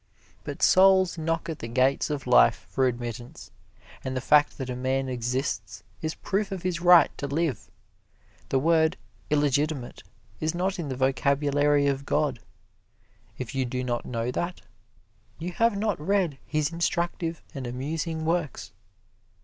But souls knock at the gates of life for admittance, and the fact that a man exists is proof of his right to live. The word "illegitimate" is not in the vocabulary of God. If you do not know that, you have not read His instructive and amusing works.